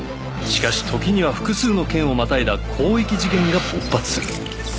しかし時には複数の県をまたいだ広域事件が勃発する